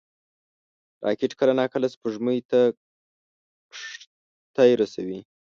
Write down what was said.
راکټ کله ناکله سپوږمۍ ته کښتۍ رسوي